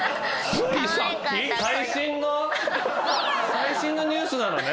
最新のニュースなのね。